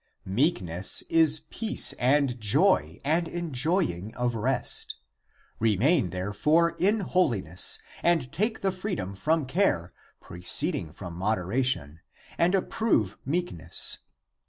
Meekness is peace and joy and enjoying of rest. Remain, there fore, in holiness and take the freedom from care (proceeding from moderation) and approve meekness.